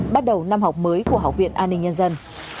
bắt đầu năm học mới của học viện an ninh nhân dân